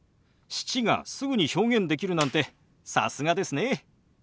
「７」がすぐに表現できるなんてさすがですね。